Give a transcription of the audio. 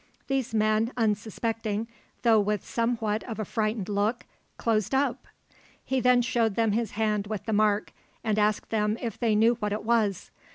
These men, unsuspecting, though with somewhat of a frightened look, closed up. He then showed them his hand with the mark, and asked them if they knew what it was.